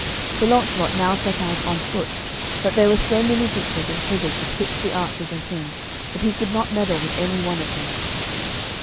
Sir Launcelot now set out on foot, but there were so many ditches and hedges betwixt the archers and him that he could not meddle with any one of them.